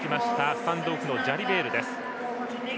スタンドオフのジャリベールです。